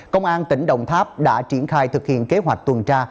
công an tỉnh đồng tháp đã triển khai thực hiện kế hoạch tuần tra